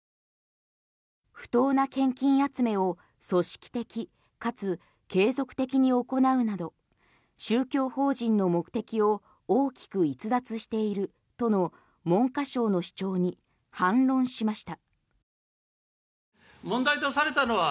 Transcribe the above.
不当な献金集めを組織的かつ継続的に行うなど宗教法人の目的を大きく逸脱しているとの文科省の主張に反論しました。